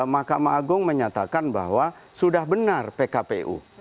mahkamah agung menyatakan bahwa sudah benar pkpu